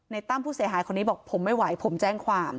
ตั้มผู้เสียหายคนนี้บอกผมไม่ไหวผมแจ้งความ